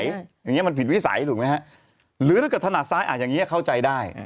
อย่างนี้มันผิดวิสัยถูกไหมฮะหรือถ้าเกิดถนัดซ้ายอ่านอย่างนี้เข้าใจได้